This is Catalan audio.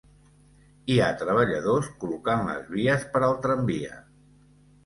Hi ha treballadors col·locant les vies per al tramvia.